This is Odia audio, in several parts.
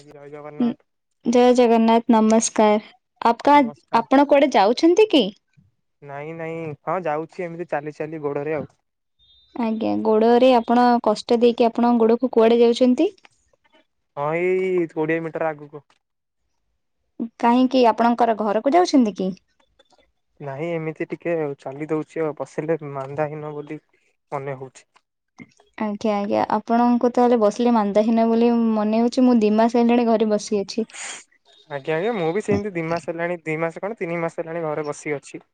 ଆଜ୍ଞା ଜୟ ଜଗନ୍ନାଥ ଜୟ ଜଗନ୍ନାଥ ନମସ୍କାର। ଆପ କା ନମସ୍କାର ଆପଣ କୁଆଡେ ଯାଉଛନ୍ତି କି? ନାଇଁ ନାଇଁ। ହଁ ଯାଉଛି ଏମିତି ଚାଲି ଚାଲି ଗୋଡରେ ଆଉ। ଆଜ୍ଞା। ଗୋଡରେ ଆପଣ କଷ୍ଟ ଦେଇକି ଆପଣ ଗୋଡକୁ କୁଆଡେ ଯାଉଛନ୍ତି? ହଁ ଏଇ କୋଡିଏ ମିଟର ଆଗକୁ। କାହିଁକି ଆପଣଙ୍କର ଘରକୁ ଯାଉଛନ୍ତି କି? ନାଇଁ ଏମିତି ଟିକେ ଆଉ ଚାଲି ଦଉଛି ଆଉ ବସିଲେ ମାନ୍ଦାହୀନ ବୋଲି। ମନେ ହଉଛି। ଆଜ୍ଞା ଆଜ୍ଞା। ଆପଣଙ୍କୁ ତାହେଲେ ବସିଲେ ମାନ୍ଦା ହୀନ ବୋଲି ମନେ ହଉଛି। ମୁଁ ଦି ମାସ ହେଇଲାଣି ଘରେ ବସି ଅଛି। [inaudible] ଆଜ୍ଞା ଆଜ୍ଞା ମୁଁ ବି ସେମିତି ଦି ମାସ ହେଲାଣି ଦି ମାସ କଣ ତିନି ମାସ ହେଲାଣି ଘରେ ବସି ଅଛି।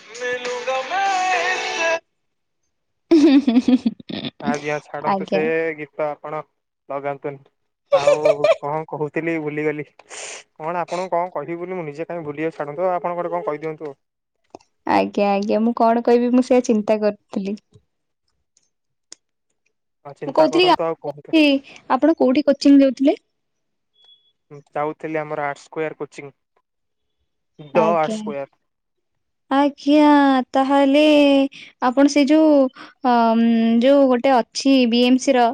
[inaudible] ଆଜ୍ଞା ଛାଡନ୍ତୁ ଆଜ୍ଞା। ସେ ଗୀତ ଆପଣ ଲଗାନ୍ତୁନି। ଆଉ କଣ କହୁଥିଲି ଭୁଲିଗଲି। କଣ ଆପଣଙ୍କୁ କଣ କିହିବି ବୋଲି ମୁଁ ନିଜେ କାଇଁ ଭୁଲିଯାଉଚି, ଛାଡନ୍ତୁ ଆପଣ ଗୋଟେ କଣ କହିଦିଅନ୍ତୁ। ଆଜ୍ଞା ଆଜ୍ଞା ମୁଁ କଣ କହିବି ମୁଁ ସେଆ ଚିନ୍ତା କରୁଥିଲି। ଆଉ ମୁଁ ଚିନ୍ତା କହୁଥିଲି କରନ୍ତୁ ଆଉ କୁହନ୍ତୁ କୋଉଠି ଆପଣ କୋଉଠି କୋଚିଂ ଜାଉଥିଲେ? ଯାଉଥିଲି ଆମର art square coaching. The art ଆଜ୍ଞା। ସ୍କୋୟାର ଆଜ୍ଞା ତାହେଲେ ଆପଣ ସେ ଯୋଉ ଅ ଯୋଉ ଗୋଟେ ଅଛି ବି ଏମ ସି ର।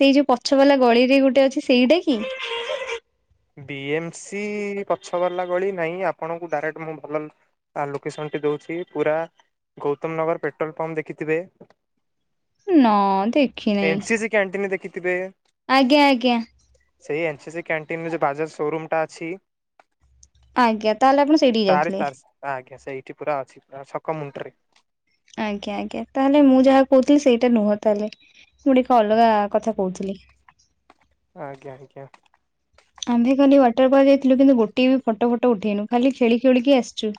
ସେଇ ଯୋଉ ପଛ ବାଲା ଗଳିରେ ଗୋଟେ ଅଛି ସେଇଟା କି? ବି ଏମ ସି ପଛଵାଲା ଗଳି ନାଇଁ ଆପଣଙ୍କୁ ଡାଇରେକ୍ଟ ମୁଁ ଭଲ ଆଉ ଲୋକେସନ ଟି ଦଉଛି ପୁରା ଗୌତମ ନଗର ପେଟ୍ରୋଲ ପମ୍ପ ଦେଖିଥିବେ। ନା ଦେଖି ଏନ୍ ନେଇଁ। ସି ସି କ୍ୟାଣ୍ଟିନ ଦେଖିଥିବେ? ଆଜ୍ଞା ଆଜ୍ଞା। ସେଇ ଏନସିସ କ୍ୟାଣ୍ଟିନରେ ଯଉ ବାଜାଜ ସୋରୁମ ଟା ଅଛି। ଆଜ୍ଞା ତାହେଲେ ଆପଣ ସେଇଠିକି ଯାଉଥିଲେ। ଆ ଆଜ୍ଞା ସେଇଠି ପୁରା ଅଛି ପୁରା ସକ ମୁଣ୍ଡରେ। ଆଜ୍ଞା ଆଜ୍ଞା ତାହେଲେ ମୁଁ ଯାହା କହୁଥିଲି ସେଇଟା ନୁହଁ ତାହେଲେ। ମୁଁଟେ ଏକ ଅଲଗା କଥା କହୁଥିଲି। ଆଜ୍ଞା ଆଜ୍ଞା। ଆମେଭି ଖାଲି ୱାଟର ପାର୍କ ଜାଇଥିଲୁ କିନ୍ତୁ ଗୋଟେ ବି ଫଟ ଫଟ ଉଠେଇନୁ ଖାଲି ଖେଳି ଖେଳିକି ଆସିଚୁ।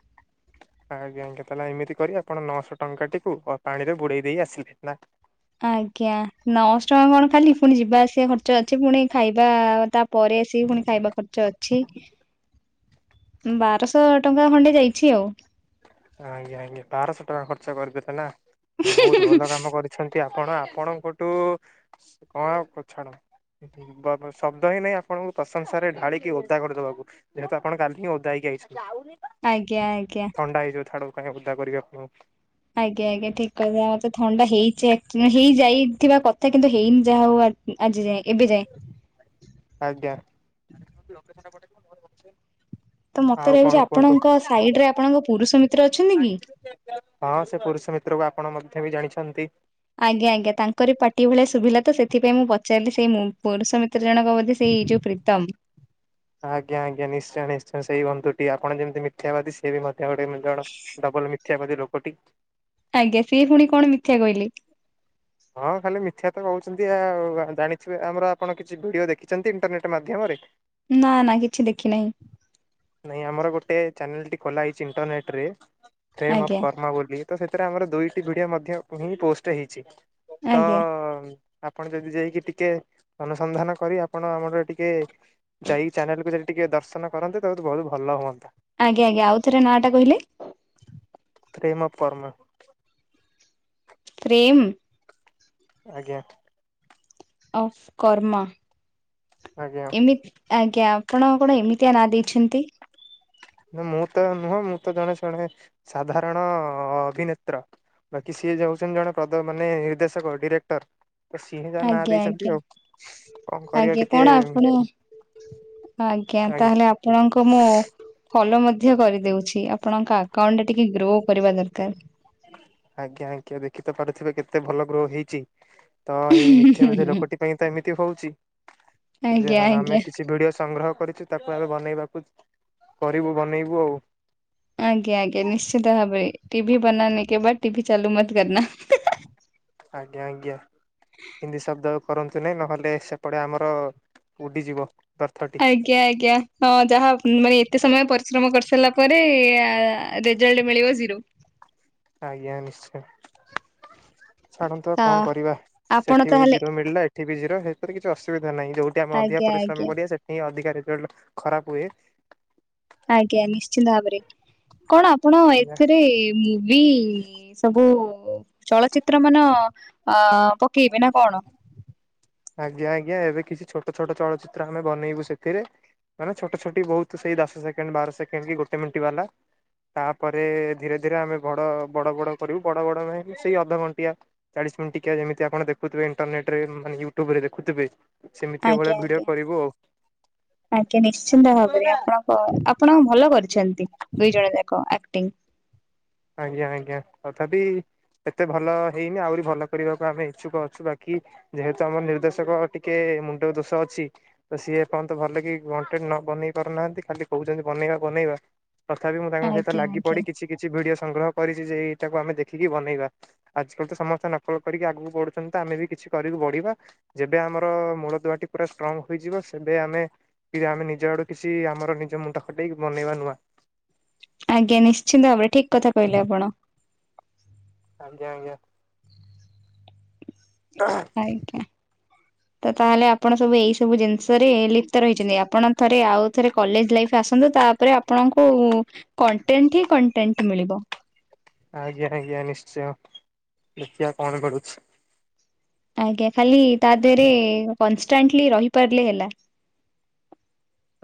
ଆଜ୍ଞା ଆଜ୍ଞା ତାହେଲେ ଏମିତି କରି ଆପଣ ନଅଶହ ଟଙ୍କାଟିକୁ ପାଣିରେ ବୁଡେଇ ଦେଇ ଆସିଲେ ନା? ଆଜ୍ଞା ନଅଶହ ଟଙ୍କା କଣ ଖାଲି ପୁଣି ଯିବା ଆସିବା ଖର୍ଚ୍ଚ ଅଛି ପୁଣି ଖାଇବା ଆ ତା ପରେ ଆସିକି ପୁଣି ଖାଇବା ଖର୍ଚ୍ଚ ଅଛି। ବାରଶହ ଟଙ୍କା ଖଣ୍ଡେ ଯାଇଛି ଆଉ। ଆଜ୍ଞା ଆଜ୍ଞା ବାରଶ ଟଙ୍କା ଖର୍ଚ୍ଚ କରିଦେଲେ ନା ବହୁତ ଭଲ କାମ କରି ଛନ୍ତି ଆପଣ ଆପଣଙ୍କଠୁ କଣ ପଛାଡ଼ ଶବ୍ଦ ହିଁ ନାହିଁ ଆପଣଙ୍କୁ ପ୍ରଶଂସାରେ ଢାଳିକି ଓଦା କରିଦବାକୁ। ଯେହେତୁ ଆପଣ କାଲି ହିଁ ଓଦା ହେଇକି ଆଇଛନ୍ତି। ଆଜ୍ଞା ଆଜ୍ଞା। ଛାଡ଼ନ୍ତୁ କାହିଁକି ଉଦା କରିବି ଆପଣଂକୁ। ଆଜ୍ଞା ଆଜ୍ଞା ଠିକ୍ କଥା ମତେ ଥଣ୍ଡା ହେଇଛି ହେଇଯାଇଥିବା କଥା କିନ୍ତୁ ହେଇନି ଯାହା ହଉ ଆ ଆଜି ଯାଏଁ ଏବେ ଯାଏଁ। ଆଜ୍ଞା। ତ ମତେ ଆଉ କଣ ଲାଗୁଛି କୁହନ୍ତୁ? ଆପଣଙ୍କ ସାଇଡରେ ଆପଣଙ୍କ ପୁରୁଷ ମିତ୍ର ଅଛନ୍ତି କି? ହଁ ସେ ପୁରୁଷ ମିତ୍ର କୁ ଆପଣ ମଧ୍ୟ ବି ଜାଣିଛନ୍ତି। ଆଜ୍ଞା ଆଜ୍ଞା ତାଙ୍କର ପାଟି ଭଳିଆ ସୁଭିଲା ତ ସେଥିପାଇଁ ମୁଁ ପଚାରିଲି ସେଇ ପୁରୁଷ ମିତ୍ର ଜଣକ ବୋ ସେଇଯଉ ପ୍ରୀତମ୍। ଆଜ୍ଞା ଆଜ୍ଞା ନିଶ୍ଚୟ ନିଶ୍ଚୟ ସେଇ ବନ୍ଧୁଟି ଆପଣ ଯେମିତି ମି ମିଥ୍ୟାବାଦୀ ସେ ବି ମଧ୍ୟ ଗୋଟେଏମିତି ବଡ଼ ଡବଲ ମିଥ୍ୟାବାଦୀ ଲୋକଟି। ଆଜ୍ଞା ସିଏ ପୁଣି କଣ ମିଥ୍ୟା କହିଲେ। ହଁ ଖାଲି ମିଥ୍ୟା ତ କହୁଛନ୍ତି ଆଉ ଜାଣିଥିବେ ଆମର ଆପଣ କିଛି ଭିଡିଓ ଦେଖିଛନ୍ତି ଇଣ୍ଟରନେଟ ମାଧ୍ୟମରେ। ନା ନା କିଛି ଦେଖି ନାହିଁ। ନାଇଁ ଆମର ଗୋଟେ ଚ୍ୟାନେଲ ଟି ଖୋଲା ହେଇଛି ଇଣ୍ଟରନେଟ ରେ। ଟ୍ରେମ ଅଫ ଆଜ୍ଞା କର୍ଣ ବୋଲି ତ ସେଥିରେ ଆମର ଦୁଇଟି ଭିଡିଓ ମଧ୍ୟ ହିଁ ପୋଷ୍ଟ ହେଇଛି। ତ ଆଜ୍ଞା ଆପଣ ଯଦି ଯାଇକି ଟିକେ ଅନୁସନ୍ଧାନ କରି ଆପଣ ଆମର ଟିକେ। ଯାଇକି ଚ୍ୟାନେଲକୁ ବି ସେଠି ଟିକେ ଦର୍ଶନ କରନ୍ତେ ତା ବହୁତ ଭଲ ହୁଅନ୍ତା। ଆଜ୍ଞା ଆଜ୍ଞା ଆଉ ଥ ନାଁ ଟା କହିଲେ? ପ୍ରେମ ପରୋମ ପ୍ରେମ ଆଜ୍ଞା। ଅଫ କର୍ମା ଆଜ୍ଞା ଏମିତି ଆଜ୍ଞା, ଆପଣ କଣ ଏମିତିଆ ନା ଦେଇଛନ୍ତି? ମୁଁ ତ ନୁହଁ, ମୁଁ ତ ଜଣେ ଜଣେ ସାଧାରଣ ଅଭିନେତ୍ର ବାକି ସିଏ ଯାଉଛନ୍ତି ଜଣେ [unintelligible] ମାନେ ନିର୍ଦ୍ଦେଶକ ଡିରେକ୍ଟର। ସିଂହେ ଯା ନାଁ ଆଜ୍ଞା ଆଜ୍ଞା ଦେଇଛନ୍ତି, ଆଉ କଣ କରିବା ଆଜ୍ଞା ଟିକେ? କଣ ଆପଣ ଆଜ୍ଞା, ତାହେଲେ ଆପଣଙ୍କ ମୁଁ ଫଲୋ ମଧ୍ୟ କରିଦଉଛି, ଆପଣଙ୍କ ଆକାଉଣ୍ଟ ଟା ଟିକେ ଗ୍ରୋ କରିବା ଦରକାର। ଆଜ୍ଞା ଆଜ୍ଞା, ଦେଖି ତ ପାରୁଥିବେ, କେତେ ଭଲ ଗ୍ରୋ ହେଇଛି, ତ ଏଇ ମିଥ୍ୟା ଲୋକଟି ପାଇଁ ତ ଏମିତି ହଉଛି, ଆଜ୍ଞା ଆମେ ଆଜ୍ଞା କିଛି ଭିଡିଓ ସଂଗ୍ରହ କରିଛୁ। ତାକୁ ଆମେ ବନେଇବାକୁ, କରିବୁ ବନେଇବୁ ଆଉ ଆଜ୍ଞା ଆଜ୍ଞା, ନିଶ୍ଚିତ ଭାବରେ ଟିଭି ବନାନେ କେ ବାଦ୍ ଟିଭି ଚାଲୁ ମତ କରନା। ଆଜ୍ଞା ଆଜ୍ଞା। ହିନ୍ଦୀ ଶବ୍ଦ କରନ୍ତୁ ନି, ନହେଲେ ସେପଟେ ଆମର ଉଡିଯିବ - [unintelligible] ଆଜ୍ଞା ଆଜ୍ଞା, ହଁ ଯାହା ମାନେ ଏତେ ସମୟ ପରିଶ୍ରମ କରିସାରିଲା ପରେ ରେଜଲ୍ଟ ମିଳିବ ଜିରୋ। ଆଜ୍ଞା ନିଶ୍ଚୟ। ଛାଡ଼ନ୍ତୁ ଆଉ ହଁ କଣ କରିବା, ଆପଣ ସେଠି ବି ତାହେଲେ ଜିରୋ ମିଳିଲା ଏଠି ବି ଜିରୋ, ସେଥିରେ କିଛି ଅସୁବିଧା ନାହିଁ ଯୋଉଠି। ସେ ଆମେ ଅଧିକା ଆଜ୍ଞା ଆଜ୍ଞା ପରିଶ୍ରମ କରିବା ସେଠିଁ ଅଧିକ ରେଜଲ୍ଟ ଖରାପ ହୁଏ। ଆଜ୍ଞା, ନିଶିନ୍ତ ଭାବରେ କଣ ଆପଣ ଆଜ୍ଞା। ଏଥିରେ ମୁଭି ଏ ସବୁ ଚଳଚିତ୍ର ମାନ ଅ ପକେଇବେ ନା କଣ? ଆଜ୍ଞା ଆଜ୍ଞା, ଏବେ କିଛି ଛୋଟ ଛୋଟ ଚଳଚିତ୍ର ଆମେ ବନେଇବୁ ସେଥିରେ ମାନେ ଛୋଟ ଛୋଟି ବହୁତ ସେଇ ଦଶ ସେକେଣ୍ଡ ବାର ସେକେଣ୍ଡ କି ଗୋଟେ ମିନିଟ ବାଲା। ତାପରେ ଧୀରେ ଧୀରେ ଆମେ ବଡ ବଡ ବଡ କରିବୁ ବଡ ବଡ ମ ସେଇ ଅଧଘଣ୍ଟିଆ। ଚାଳିଶ ମିନିଟ୍ ଟିଆ ଯେମିତିପଣଖୁଥିବ ଇଣ୍ଟରନେଟ ରୋନେ ୟୁଟ୍ୟୁବରେ ଦେଖୁଥିବେ। ସେ ଭଳିଆ ଆଜ୍ଞା ଭିଡିଓ ଆଜ୍ଞା କରିବୁ ଆଉ ଆଜ୍ଞା ନିଶ୍ଚିନ୍ତ ଭାବରେ, ଆପଣଙ୍କ ଆପଣ ଭଲ କରିଛନ୍ତି ଦୁଇ ଜଣ ଯାକ। ଆକ୍ଟିଂ। ଆଜ୍ଞା ଆଜ୍ଞା ତଥାପି। ଏତେ ଭଲ ହେଇନି ଆହୁରି ଭଲ କରିବାକୁ ଆମେ ଇଛୁକ ଅଛୁ, ବାକି ଯେହେତୁ ଆମର ନିର୍ଦ୍ଦେଶକ ଟିକେ ମୁଣ୍ଡ ଦୋଷ ଅଛି। ତ ସିଏ ଏପଯ୍ୟନ୍ତ ଭଲ କଣ୍ଟିନିଉ ନ ବନେଇ ପାରୁନାହାନ୍ତି, ଖାଲି କହୁଛନ୍ତି ବନେଇବା ବନେଇବା। ତଥାପି ମୁଁ ତାଙ୍କ ସହିତ ଆଜ୍ଞା ଲାଗି ଆଜ୍ଞା ପଡି କିଛି କିଛି ଭିଡିଓ ସଂଗ୍ରହ କରିଛି ଯେ -ଏଇଟାକୁ ଆମେ ଦେଖିକି ବନେଇବା। ଆଜିକାଲି ତ ସମସ୍ତେ ନକଲ କରିକି ଆଗକୁ ବଢୁଛନ୍ତି ତ, ଆମେ ବି କିଛି କରିକି ବଢିବା। ଯେବେ ଆମର ମୂଳ ଦୁଆଟି ପୁରା ଷ୍ଟ୍ରଙ୍ଗ ହୋଇଯିବ, ସେବେ ଆମେ କି ଆମେ ନିଜ ଆଡୁ କିଛି ଆମର ନିଜ ମୁଣ୍ଡ ଖଟେଇକି ବନେଇବା ନୁଆ। ଆଜ୍ଞା ନିଶ୍ଚିନ୍ତ ଭାବରେ, ଠିକ କଥା କହିଲେ ଆପଣ। ଆଜ୍ଞା, ଆଜ୍ଞା। [unintelligible] ଆଜ୍ଞା ତ ତାହେଲେ ଆପଣ ସବୁ ଏଇସବୁ ଜିନିଷରେ ଲିପ୍ତ ରହିଛନ୍ତି। ଆପଣ ଥରେ ଆଉ ଥରେ କଲେଜ ଲାଇଫ୍ ଆସନ୍ତୁ, ତାପରେ ଆପଣଙ୍କୁ କଣ୍ଟେଣ୍ଟ ହିଁ କଣ୍ଟେଣ୍ଟ ମିଳିବ। ଆଜ୍ଞା ଆଜ୍ଞା ନିଶ୍ଚୟ ଦେଖିବା କଣ ଗଡୁଛି। ଆଜ୍ଞା, ଖାଲି ତା ଦେହରେ କନଷ୍ଟାଣ୍ଟଲି ରହିପାରିଲେ ହେଲା।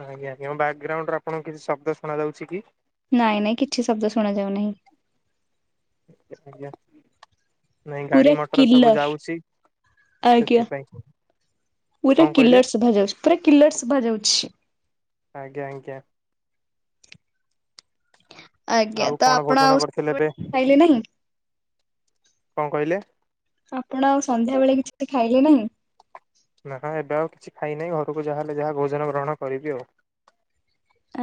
ଆଜ୍ଞ ଆଜ୍ଞା ବ୍ୟାଗଗ୍ରାଉଣ୍ଡ ରେ ଆପଣଙ୍କୁ କିଛି ଶବ୍ଦ ଶୁଣାଯାଉଛି କି? ନାଇଁ ନାଇଁ କିଛି ଶବ୍ଦ ଶୁଣା ଯାଉ ନାହିଁ। ଆଜ୍ଞା। ନାଇଁ ଗାଡି ପୁରା ମଟର ସବୁ କିଲର ଯାଉଛି ଆଜ୍ଞା ସେଥିପାଇଁ। ପୁରା କଣ କହିଲେ? କିଲର୍ ଶୁଭା ଯାଉଛି ପୁରା କିଲର୍ ଶୁଭା ଯାଉଛି। ଆଜ୍ଞା ଆଜ୍ଞା। ଆଜ୍ଞା ଆଉ ତ କଣ ଆପଣ ଭୋଜନ ଆଉ କରିଥିଲେ ଏବେ ଖାଇଲେ ନାହିଁ କଣ କହିଲେ? ଆପଣ ଆଉ ସନ୍ଧ୍ୟା ବେଳେ କିଛି ବି ଖାଇଲେ ନାହିଁ? ନା ଏବେ ଆଉ କିଛି ଖାଇନାହିଁ ଘରକୁ ଯାହାହେଲେ ଯାହା ଭୋଜନ ଗ୍ରହଣ କରିବି ଆଉ।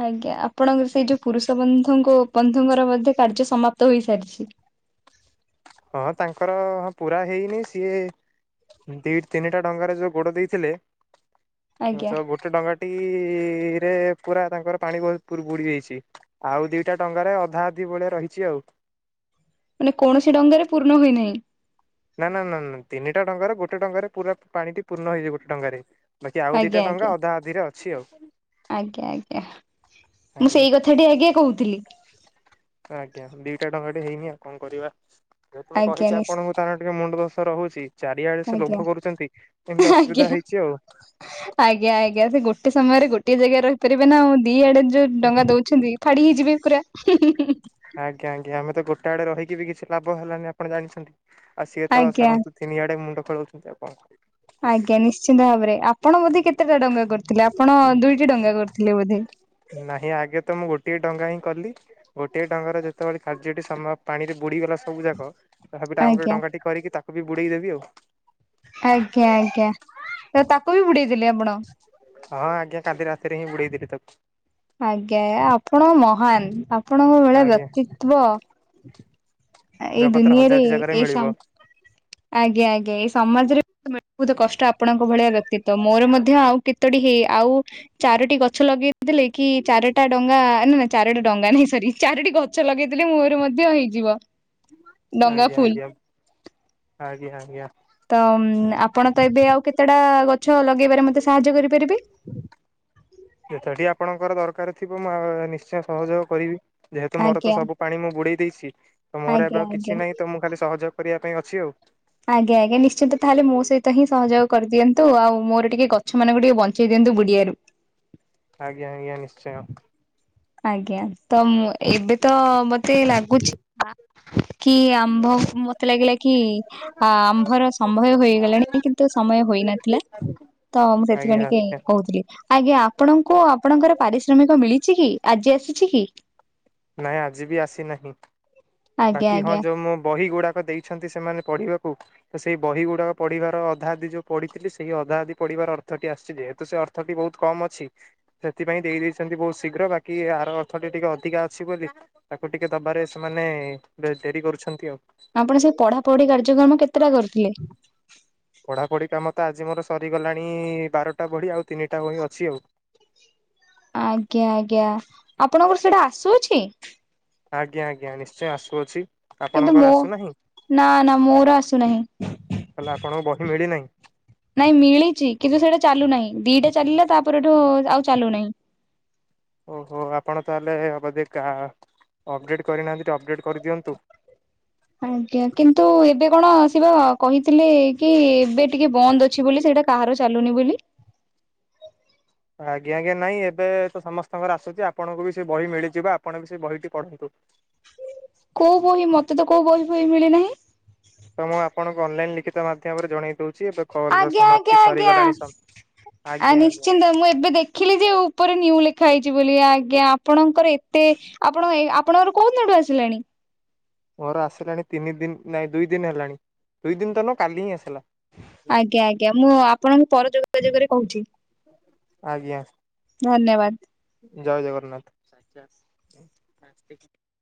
ଆଜ୍ଞା ଆପଣଙ୍କର ସେଇ ଯୋଉ ପୁରୁଷ ବନ୍ଧୁଙ୍କ ବନ୍ଧୁଙ୍କର ମଧ୍ୟ କାର୍ଯ୍ୟ ସମାପ୍ତ ହୋଇସାରିଛି? ହଁ ତାଙ୍କର ହଁ ପୁରା ହେଇନି ସିଏ ଦି ତିନିଟା ଡଙ୍ଗାରେ ଯୋଉ ଗୋଡ ଦେଇଥିଲେ ଆଜ୍ଞା ସବ୍ ବୁ ସେ ଡଙ୍ଗାଟି ରେ ପୁରା ତାଙ୍କର ପାଣି ବହୁତ ବୁଡି ଯାଇଛି। ଆଉ ଦିଟା ଡ଼ଙ୍ଗା ରେ ଅଧା ଅଧି ଭଳିଆ ରହିଛି ଆଉ। ମାନେ କୌଣସି ଡଙ୍ଗାରେ ପୂର୍ଣ୍ଣ ହୋଇନାହିଁ? ନା -ନା- ନା- ନା ତିନିଟା ଡଙ୍ଗାରେ ଗୋଟେ ଡଙ୍ଗାରେ ପୁରା ପାଣିଟି ପୂର୍ଣ୍ଣ ହେଇଚି ଗୋଟେ ଡଙ୍ଗାରେ। ବାକି ଆଉ ଦିଟା ଆଜ୍ଞା ଆଜ୍ଞା। ଡଙ୍ଗା ଅଧା ଅଧିରେ ଅଛି ଆଉ। ଆଜ୍ଞା ଆଜ୍ଞା ମୁଁ ଆଜ୍ଞା ସେଇ କଥାଟି ଆଜ୍ଞା କହୁଥିଲି। ଆଜ୍ଞା ଦିଟା ଡଙ୍ଗାଟି ହେଇନି ଆଉ କଣ କରିବା। ଯେହେତୁ ମୁଁ ଆଜ୍ଞା କହିଛି ନିଶ୍ଚ ଆପଣଙ୍କୁ ତାହାର ଟିକେ ମୁଣ୍ଡ ଦୋଷ ରହୁଚି ଚାରିଆଡେ ସେ ଆଜ୍ଞା ଲୋଭ କରୁଚନ୍ତି ଏମିତି ଆଜ୍ଞା। ଅସୁବିଧା ହେଇଚି ଆଉ। ଆଜ୍ଞା ଆଜ୍ଞା ସେ ଗୋଟେ ସମୟରେ ଗୋଟେ ଜାଗା ରହିପାରିବେ ନା ଆଉ ଦି ଆଡେ ଯୋଉ ଡଙ୍ଗା ଦୋଉଛନ୍ତି ଫାଡି ହେଇଯିବେ ପୁରା। ହିଁ- ହିଁ - ହିଁ। ଆଜ୍ଞା ଆଜ୍ଞା ଆମେ ତ ଗୋଟା ଆଡେ ରହିକି ବି କିଛି ଲାଭ ହେଲାନି ଆପଣ ଜାଣିଛନ୍ତି। ଆଉ ସିଏ ତ ଆଜ୍ଞା ଛାଡନ୍ତୁ ତିନିଆଡେ ମୁଣ୍ଡ ଖେଳଉଛନ୍ତି ଆଉ କଣ କରିବ। ଆଜ୍ଞା ନିଶ୍ଚିନ୍ତ ଭାବରେ ଆପଣ ବୋଧେ କେତେଟା ଡଙ୍ଗା କରିଥିଲେ ଆପଣ ଦୁଇଟି ଡଙ୍ଗା କରିଥିଲେ ବୋଧେ? ନାହିଁ ଆଗେ ତ ମୁଁ ଗୋଟିଏ ଡଙ୍ଗା ହିଁ କଲି ଗୋଟେ ଡଙ୍ଗାରେ ଯେତେବେଳେ କାର୍ଯ୍ୟଟି ସମା ପାଣିରେ ବୁଡିଗଲା ସବୁ ଯାକ ତ ହେପଟେ ଆଉ ଗୋଟେ ଆଜ୍ଞା ଡଙ୍ଗା ଟି କରିକି ତାକୁ ବି ବୁଡେଇ ଦେବି ଆଉ। ଆଜ୍ଞା ଆଜ୍ଞା ତ ତାକୁ ବି ବୁଡେଇ ଦେଲେ ଆପଣ? ହଁ ଆଜ୍ଞା କାଲି ରାତିରେ ହିଁ ବୁଡେଇଦେଲି ତାକୁ। ଆଜ୍ଞା ଆପଣ ମହାନ୍ ଆ ଆଜ୍ଞା ଏଇ ଜଗତର ଦୁନିଆରେ ହଜାରଟି ଜାଗାରେ ଏଇ ସମ୍ ମିଳିବ। ଆଜ୍ଞା ଆଜ୍ଞା ଏଇ ସମାଜରେ ବହୁତ କଷ୍ଟ ଆପଣଙ୍କ ଭଳିଆ ବ୍ୟକ୍ତିତ ମୋର ମଧ୍ୟ ଆଉ କେତୋଟି ହେଇ ଆଉ ଚାରୋଟି ଗଛ ଲଗେଇଦେଲେ କି ଚାରଟା ଡଙ୍ଗା ନା ନା ଚାରଟା ଡଙ୍ଗା ନାଇଁ ସରି ଚାରୋଟି ଗ ଗଛ ଲଗେଇ ଦେଲେ ମୋର ମଧ୍ୟ ହେଇଯିବ। ଡଙ୍ଗା ଆଜ୍ଞା ଫୁଲ -ଆଜ୍ଞା -ଆଜ୍ଞା -ଆଜ୍ଞା। ତ ଆପଣ ତ ଏବେ ଆଉ କେତେଟା ଗଛ ଲଗେଇବାରେ ମତେ ସାହାଯ୍ୟ କରିପାରିବେ? ଯେତଟି ଆପଣଙ୍କର ଦରକାର ଥିବ ମୁଁ ନି ନିଶ୍ଚୟ ସହଯୋଗ କରିବି ଯେହେତୁ ମୋର ତ ଆଜ୍ଞା ସବୁ ପାଣି ମୁଁ ବୁଡେଇ ଦେଇଚି। ତ ମୋର ଆଜ୍ଞା ଏବେ ଆଉ ଆଜ୍ଞା କିଛି ନାହିଁ ତ ମୁଁ ଖାଲି ସହଯୋଗ କରିବା ପାଇଁ ଅଛି ଆଉ। ଆଜ୍ଞା ଆଜ୍ଞା ନିଶ୍ଚିତ ତାହେଲେ ମୋ ସହିତ ହିଁ ସହଯୋଗ କରିଦିଅନ୍ତୁ ଆଉ ମୋର ଟିକେ ଗଛ ମାନଙ୍କୁ ଟିକେ ବଞ୍ଚ ସେ କିନ୍ତୁ ଗୁଡିଆରୁ। ଆଜ୍ଞା ଆଜ୍ଞା ନିଶ୍ଚୟ। ଆଜ୍ଞା ତ ଏବେ ତ ମତେ ଲାଗୁଚି ଆ କି ଆମ୍ଭ ମତେ ଲାଗିଲା କି ଆ ଆମ୍ଭର ସମ୍ଭୟ ହୋଇଗଲାଣି କିନ୍ତୁ ସମୟ ହୋଇନଥିଲା। ତ ମୁଁ ସେଥିପାଇଁ ଆଜ୍ଞା ଟିକେ ଆଜ୍ଞା କହୁଥିଲି। ଆଜ୍ଞା ଆପଣଙ୍କୁ ଆପଣଙ୍କର ପାରିଶ୍ରମିକ ମିଳିଛି କି ଆଜି ଆସିଛି କି? ନାଇଁ ଆଜି ବି ଆସିନାହିଁ ଆଜ୍ଞା ବାକି ହଁ ଆଜ୍ଞା ଯୋଉ ମୁଁ ବହି ଗୁଡାକ ଦେଇ ଅଛନ୍ତି ସେମାନେ ପଢ଼ିବାକୁ। ତ ସେଇ ବହି ଗୁଡାକ ପଢିବାର ଅଧାଅଧି ଯୋଉ ପଢିଥିଲି ସେଇ ଅଧାଅଧି ପଢିବାର ଅର୍ଥ ଟି ଆସିଚି। ଯେହେତୁ ସେ ଅର୍ଥ ଅର୍ଥଟି ବହୁତ କମ୍ ଅଛି। ସେଥିପାଇଁ ଦେଇ ଦେଇଛନ୍ତି ବହୁତ ଶୀଘ୍ର। ବାକି ଏହାର ଆର ଅର୍ଥଟି ଟିକେ ଅଧିକା ଅଛି ବୋଲି ତାକୁ ଟିକେ ଦବାରେ ସେମାନେ ଡେରି କରୁଛନ୍ତି ଆଉ। ଆପଣ ସେ ପଢାପଢି କାର୍ଯ୍ୟକ୍ରମ କେତେଟା କରିଥିଲେ? ପଢ଼ାପଢ଼ି କାମ ତ ଆଜି ମୋର ସରିଗଲାଣି ବାରଟା ବହିି ଆଉ ତିନିଟା ବହି ଅଛି ଆଉ। ଆଜ୍ଞା ଆଜ୍ଞା। ଆପଣଙ୍କର ସେଇଟା ଆସୁଚି? ଆଜ୍ଞା ଆଜ୍ଞା। ନିଶ୍ଚୟ ଆସୁଅଛି। କିନ୍ତୁ ଆପଣଙ୍କର ମୁଁ ଆସୁନାହିଁ ନା ନା ମୋର ଆସୁନାହିଁ। ତାହେଲେ ଆପଣଙ୍କୁ ବହି ମିଳିନାହିଁ? ନାଇଁ ମିଳିଚି। କିନ୍ତୁ ସେଇଟା ଚାଲୁନାହିଁ। ଦିଟା ଚାଲିଲା ତାପରଠୁ ଆଉ ଚାଲୁ ନାହିଁ। ଓହୋ ଆପଣ ତାହେଲେ ବୋଧେ କା ଅପଡ଼େଟ୍ କରିନାହାନ୍ତି ଅପଡ଼େଟ୍ କରିଦିଅନ୍ତୁ। ଆଜ୍ଞା। କିନ୍ତୁ ଏବେ କଣ ସିଏବା କହିଥିଲେ କି ଏବେ ଟିକେ ବନ୍ଦ ଅଛି ବୋଲି ସେଇଟା। କାହାର ଚାଲୁନି ବୋଲି। ଅଜ୍ଞା ଆଜ୍ଞା। ନାଇଁ ଏବେ ତ ସମସ୍ତଙ୍କର ଆସୁଚି ଆପଣଙ୍କୁ ବି ସେ ବହି ମିଳିଯିବ ଆପଣ ବି ସେ ବହିଟି ପଢନ୍ତୁ। କୋଉ ବହି ମତେ ତ କୋଉ ବହି ଫହି ମିଳିନାହିଁ। ତ ମୁଁ ଆପଣଙ୍କୁ ଅନଲାଇନ ଲିଖିତ ମାଧ୍ୟମରେ ଜଣେଇ ଦଉଚି। ଆଜ୍ଞା ଆଜ୍ଞା ଆଜ୍ଞା। ଆ ଆଜ୍ଞା ଆଜ୍ଞା ନିଶ୍ଚିନ୍ତ ମୁଁ ଏବେ ଦେଖିଲି ଯେଉଁ ଉପରେ ନ୍ୟୁ ଲେଖା ହେଇଚି ବୋଲି। ଆଜ୍ଞା ଆପଣଙ୍କର ଏତେ, ଆପଣ ଆପଣଙ୍କର କୋଉ ଦିନଠୁ ଆସିଲାଣି? ମୋର ଆସିଲାଣି ତିନି ଦିନ ନାଇଁ ଦୁଇ ଦିନ ହେଲାଣି। ଦୁଇ ଦିନ ତ ନୁହଁ କାଲି ହିଁ ଆସିଲା। ଆଜ୍ଞା ଆଜ୍ଞା। ମୁଁ ଆପଣଙ୍କୁ ପର ଯୋଗାଯୋଗରେ କହୁଚି। ଆଜ୍ଞା। ଧନ୍ୟବାଦ। ଜୟ ଜଗନ୍ନାଥ।